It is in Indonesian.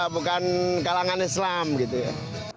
bukan kalangan islam gitu ya